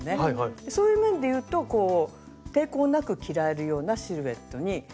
そういう面で言うと抵抗なく着られるようなシルエットにしてます。